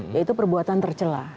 yaitu perbuatan tercela